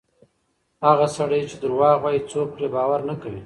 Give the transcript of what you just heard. هغه سړی چې درواغ وایي، څوک پرې باور نه کوي.